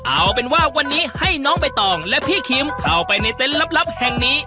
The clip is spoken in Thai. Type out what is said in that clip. เอาเป็นว่าวันนี้ให้น้องใบตองและพี่คิมเข้าไปในเต็นต์ลับแห่งนี้